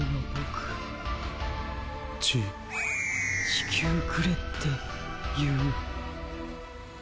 地球くれって言う。